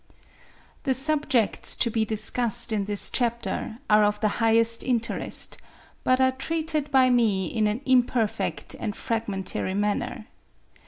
The subjects to be discussed in this chapter are of the highest interest, but are treated by me in an imperfect and fragmentary manner.